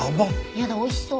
やだおいしそう。